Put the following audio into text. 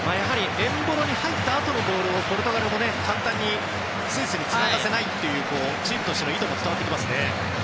エンボロに入ったあとのボールをポルトガルも簡単にスイスにつながせないというチームとしての意図も伝わってきます。